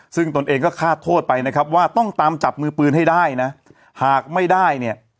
ซึ่งตนเองก็คาดโทษไปนะครับว่าต้องตามจับมือปืนให้ได้นะหากไม่ได้เนี่ย